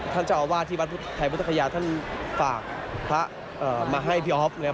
ท่านเจ้าอาวาสที่วัดพุทธไทยพุทธคยาท่านฝากพระมาให้พี่อ๊อฟนะครับ